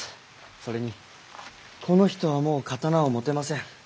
それにこの人はもう刀を持てません。